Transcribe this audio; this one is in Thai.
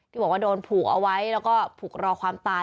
บอกว่าโดนผูกเอาไว้แล้วก็ผูกรอความตาย